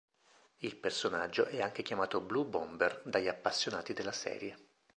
Il personaggio è anche chiamato Blue Bomber dagli appassionati della serie.